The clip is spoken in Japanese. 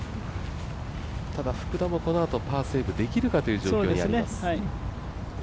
ただ、福田もこのあとパーセーブできるかという状況にあります。